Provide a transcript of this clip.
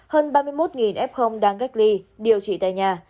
hơn ba mươi một f đang cách ly điều trị tại nhà